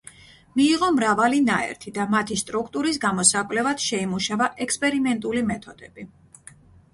მიიღო მრავალი ნაერთი და მათი სტრუქტურის გამოსაკვლევად შეიმუშავა ექსპერიმენტული მეთოდები.